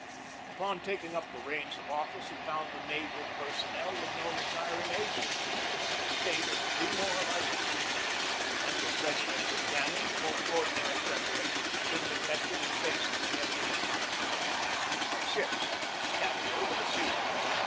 Upon taking up the reins of office he found a naval personnel with no retiring age limit; and a state of demoralization. Under President Buchanan, the most ordinary preparations had been neglected in face of an inevitable conflict. Our ships were scattered over the seas.